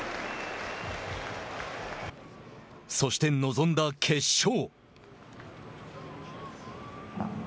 そして臨んだ決勝。